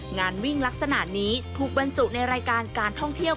งานวิ่งลักษณะนี้ถูกบรรจุในรายการการท่องเที่ยว